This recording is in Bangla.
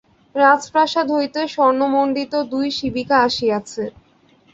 রাজপ্রাসাদ হইতে স্বর্ণমণ্ডিত দুই শিবিকা আসিয়াছে।